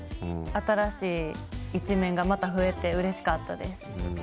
新しい一面がまた増えてうれしかったです。